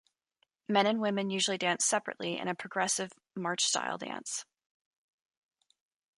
Men and women usually dance separately in a progressive march style dance.